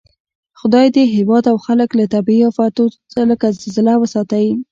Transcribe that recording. خدای دې هېواد او خلک له طبعي آفتو لکه زلزله وساتئ